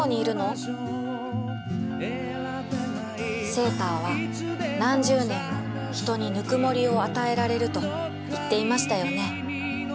セーターは何十年も人にぬくもりを与えられると言っていましたよね？